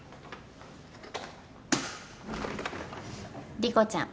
莉子ちゃん